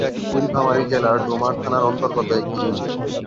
নীলফামারী জেলার ডোমার থানার অন্তর্গত একটি ইউনিয়ন।